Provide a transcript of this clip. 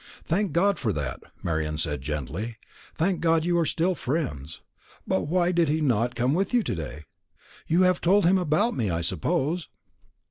"Thank God for that," Marian said gently; "thank God that you are still friends. But why did he not come with you to day? You have told him about me, I suppose?"